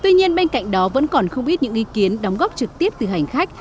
tuy nhiên bên cạnh đó vẫn còn không ít những ý kiến đóng góp trực tiếp từ hành khách